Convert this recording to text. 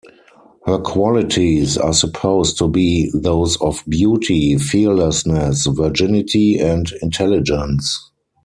Her qualities are supposed to be those of beauty, fearlessness, virginity, and intelligence.